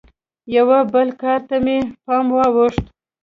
یوه بل کار ته مې پام واوښت.